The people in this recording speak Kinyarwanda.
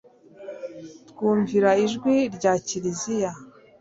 twumvira ijwi rya kiriziya